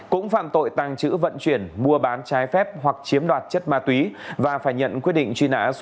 cũng phản tội tàng trữ vận chuyển mua bán trái phép hoặc chiếm đoạt chất ma túy và phải nhận quyết định truy nã